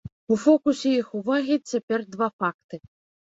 У фокусе іх увагі цяпер два факты.